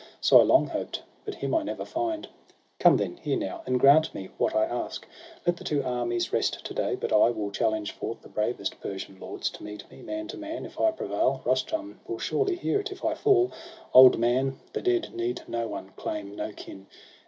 So I long hoped, but him I never find. Come then, hear now, and grant me what I ask. Let the two armies rest to day ; but I Will challenge forth the bravest Persian lords To meet me, man to man ; if I prevail, Rustum will surely hear it ; if I fall — Old man, the dead need no one, claim no kin.